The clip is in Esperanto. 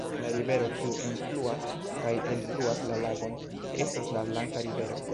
La rivero, kiu enfluas kaj elfluas la lagon, estas la Blanka rivero.